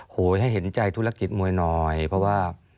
ให้เห็นใจธุรกิจมวยหน่อยเพราะว่า